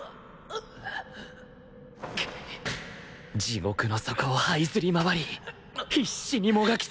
地獄の底をはいずり回り必死にもがき続けた